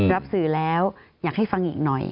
รับสื่อแล้วอยากให้ฟังอีกหน่อย